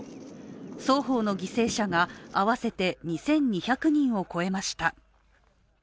双方の犠牲者が合わせて２２００人を超えました。